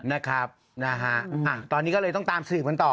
นะครับนะฮะตอนนี้ก็เลยต้องตามสืบกันต่อ